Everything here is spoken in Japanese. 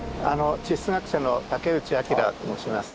地質学者の竹内章と申します。